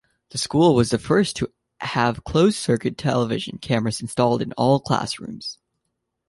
The school was the first to have closed-circuit television cameras installed in all classrooms.